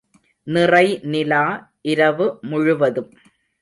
நிறைநிலா இரவு முழுவதும்!